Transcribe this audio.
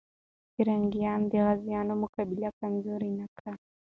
پرنګیان د غازيانو مقابله کمزوري نه کړه.